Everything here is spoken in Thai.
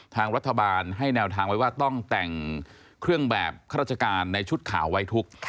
ทางรัฐบาลให้แนวทางไว้ว่าต้องแต่งเครื่องแบบข้าราชการในชุดขาวไว้ทุกข์